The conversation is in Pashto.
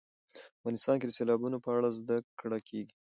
افغانستان کې د سیلابونه په اړه زده کړه کېږي.